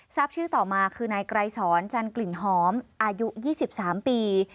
ทราบชื่อต่อมาคือนายไกรสอนจันกลิ่นหอมอายุ๒๓ปี